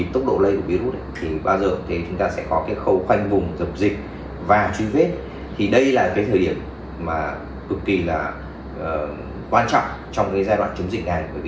trong giai đoạn chống dịch này